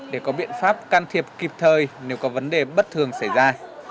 để có biện pháp can thiệp kịp thời nếu có vấn đề bất thường xảy ra